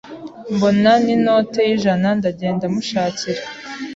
mbona n’inote y’ijana ndagenda mushakira